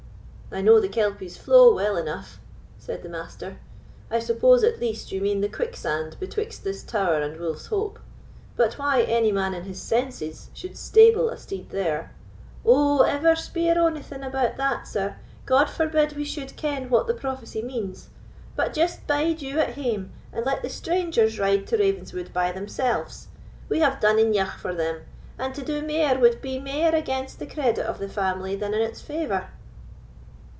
"I know the Kelpie's flow well enough," said the Master; "I suppose, at least, you mean the quicksand betwixt this tower and Wolf's Hope; but why any man in his senses should stable a steed there——" "Oh, ever speer ony thing about that, sir—God forbid we should ken what the prophecy means—but just bide you at hame, and let the strangers ride to Ravenswood by themselves. We have done eneugh for them; and to do mair would be mair against the credit of the family than in its favour."